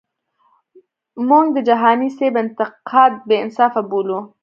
مونږ د جهانی سیب انتقاد بی انصافه بولو.